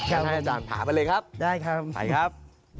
ใช่อาจารย์ถามไปเลยครับไปครับได้ครับ